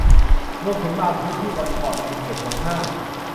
รวมถึงบางพื้นที่บนเกาะยังเป็นเขตหวงห้าม